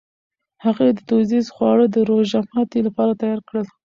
هغې دودیز خواړه د روژهماتي لپاره تیار کړل.